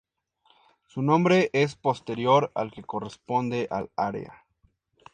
Su nombre es posterior al que corresponde al área.